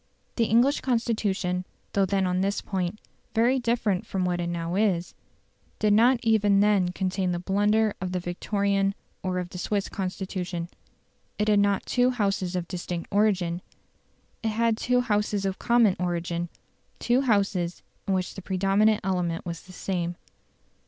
The English Constitution, though then on this point very different from what it now is, did not even then contain the blunder of the Victorian or of the Swiss Constitution. It had not two Houses of distinct origin; it had two Houses of common origin two Houses in which the predominant element was the same.